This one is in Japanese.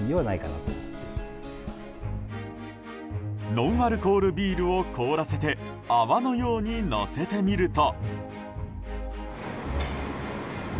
ノンアルコールビールを凍らせて泡のようにのせてみると。